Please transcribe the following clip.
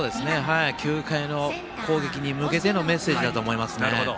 ９回の攻撃に向けてのメッセージだと思います。